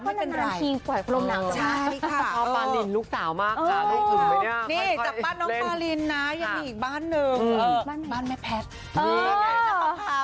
ยังมีอีกบ้านหนึ่งบ้านแม่แพทน์